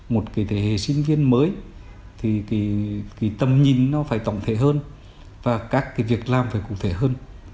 một cái thế hệ sinh viên mới thì cái tầm nhìn nó phải tổng thể hơn và các cái việc làm phải cụ thể hơn